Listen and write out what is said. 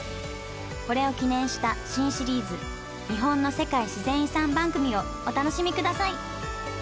これを記念した新シリーズ日本の世界自然遺産番組をお楽しみください